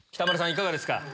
いかがですか？